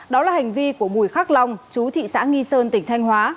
đó là hành vi của bùi khắc long chú thị xã nghi sơn tỉnh thanh hóa